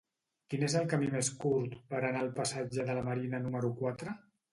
Quin és el camí més curt per anar al passatge de la Marina número quatre?